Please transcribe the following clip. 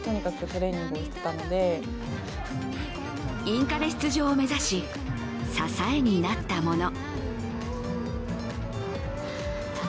インカレ出場を目指し支えになったもの